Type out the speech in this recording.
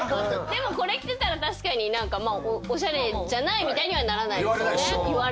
でもこれ着てたら確かにおしゃれじゃないみたいにはならないですよね。